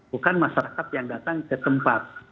bukan masyarakat yang datang ke tempat